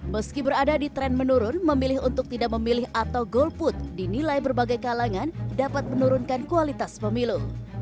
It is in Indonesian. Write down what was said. meski berada di tren menurun memilih untuk tidak memilih atau golput dinilai berbagai kalangan dapat menurunkan kualitas pemilu